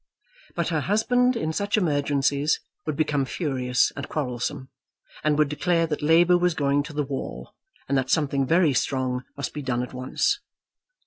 But her husband, in such emergencies, would become furious and quarrelsome, and would declare that Labour was going to the wall, and that something very strong must be done at once.